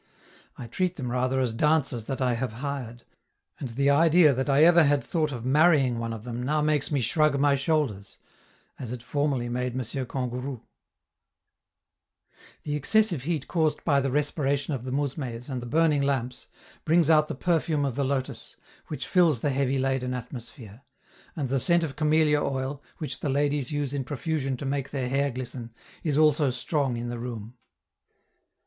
I treat them rather as dancers that I have hired, and the idea that I ever had thought of marrying one of them now makes me shrug my shoulders as it formerly made M. Kangourou. The excessive heat caused by the respiration of the mousmes and the burning lamps, brings out the perfume of the lotus, which fills the heavy laden atmosphere; and the scent of camellia oil, which the ladies use in profusion to make their hair glisten, is also strong in the room.